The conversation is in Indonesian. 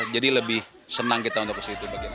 jadi lebih senang kita untuk itu